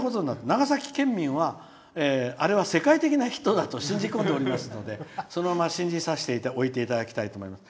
長崎県民はあれは世界的なヒットだと信じ込んでおりますのでそのまま信じさせていただきたいと思っております。